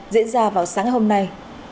diễn ra vào sáng hôm nay